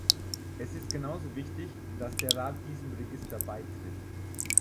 Es ist genauso wichtig, dass der Rat diesem Register beitritt.